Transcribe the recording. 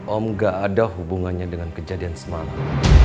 om gak ada hubungannya dengan kejadian semalam